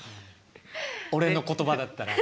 俺の言葉だったら？